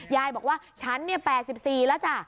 ยายบอกว่าฉันเนี่ย๘๔แล้วจ้ะ